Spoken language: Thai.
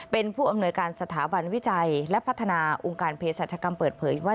เป็นผู้อำนวยการสถาบันวิจัยและพัฒนาองค์การเพศรัชกรรมเปิดเผยว่า